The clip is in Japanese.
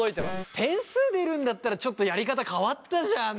点数出るんだったらちょっとやり方変わったじゃん